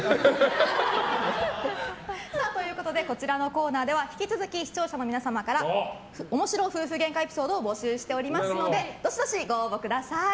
こちらのコーナーでは引き続き視聴者の皆様から面白夫婦げんかエピソードを募集しておりますのでどしどしご応募ください。